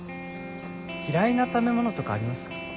嫌いな食べ物とかありますか？